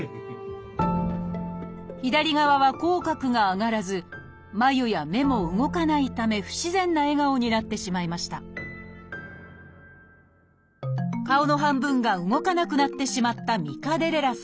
左側は口角が上がらず眉や目も動かないため不自然な笑顔になってしまいました顔の半分が動かなくなってしまったミカデレラさん。